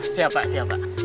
siap pak siap pak